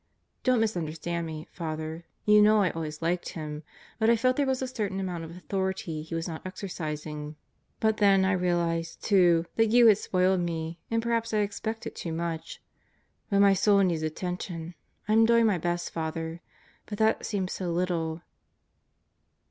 Don't misunderstand me, Father. You know I always liked him, but I felt there was a certain amount of authority he was not exercising. But then I realize, too, that you had spoiled me and perhaps I expected too much. But my soul needs attention. I am doing my best, Father, but 'that seems so little.